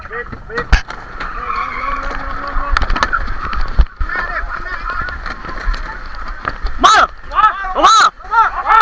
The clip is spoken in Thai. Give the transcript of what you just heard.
ทับถับนิ่งด้วยถับนิ่งด้วย